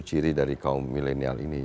ciri dari kaum milenial ini